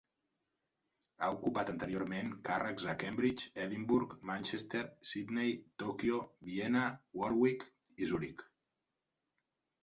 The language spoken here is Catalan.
Ha ocupat anteriorment càrrecs a Cambridge, Edimburg, Manchester, Sydney, Tòquio, Viena, Warwick i Zuric.